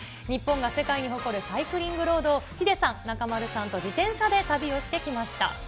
日本が世界に誇るサイクリングロードを、ヒデさん、中丸さんと自転車で旅をしてきました。